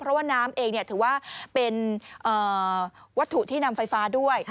เพราะว่าน้ำเองถือว่าเป็นวัตถุที่นำไฟฟ้าด้วย